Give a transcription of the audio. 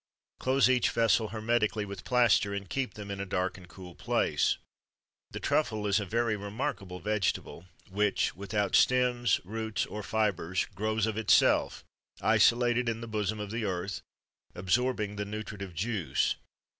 Close each vessel hermetically with plaster, and keep them in a dark and cool place.[XXIII 109] The truffle is a very remarkable vegetable, which, without stems, roots, or fibres, grows of itself, isolated in the bosom of the earth, absorbing the nutritive juice.